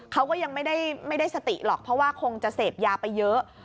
เขาก็ยังไม่ได้สติหรอกเพราะว่าคงจะเสพยาไปเยอะ